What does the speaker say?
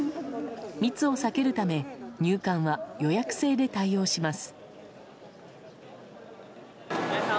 密を避けるため入館は予約制で対応します。